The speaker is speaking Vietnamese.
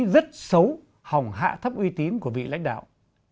rất xấu hỏng hạ thấp uy tín của vị lãnh đạo